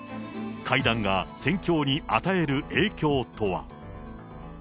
会談が戦況に与える影響とは。